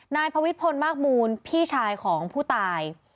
นายพวิทพลมากมูลพี่ชายของผู้ตาย